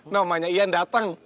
nomanya ian dateng